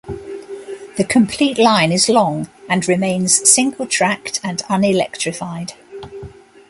The complete line is long, and remains single-tracked and unelectrified.